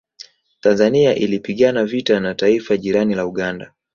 Tanzania ilipigana vita na taifa jirani la Uganda